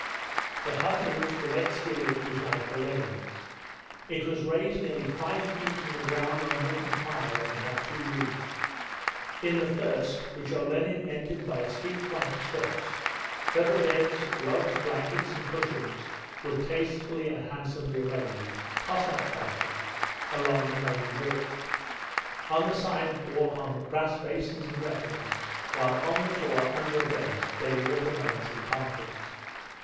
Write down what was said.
The hut in which Beletski lived was like Olenin's. It was raised nearly five feet from the ground on wooden piles, and had two rooms. In the first (which Olenin entered by the steep flight of steps) feather beds, rugs, blankets, and cushions were tastefully and handsomely arranged, Cossack fashion, along the main wall. On the side wall hung brass basins and weapons, while on the floor, under a bench, lay watermelons and pumpkins.